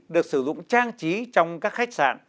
được sử dụng trang trí trong các khách sạn